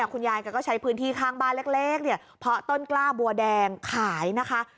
คุณยายแกก็ใช้พื้นที่ข้างบ้านเล็กเพาะต้นกล้าบัวแดงขายนะคะ